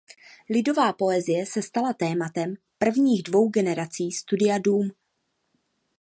Lidová poezie se stala tématem prvních dvou generací Studia Dům.